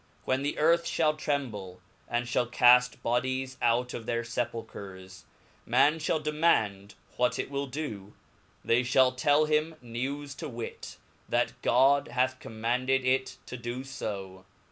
When the earth fliali tremble, and fhall caft bodies out of their fepul chers, man (hall demand what it will do; they fhall tell him news, to wit, that God hath commanded it to do fo.